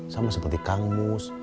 sama seperti kang mus